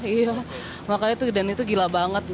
iya makanya tuh dan itu gila banget